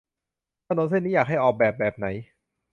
ถนนเส้นนี้อยากให้ออกแบบแบบไหน